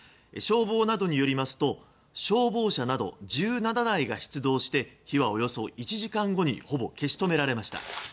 消防などによりますと消防車など１７台が出動して火はおよそ１時間後にほぼ消し止められました。